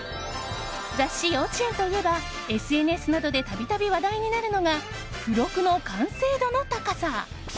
雑誌「幼稚園」といえばＳＮＳなどで度々話題になるのが付録の完成度の高さ。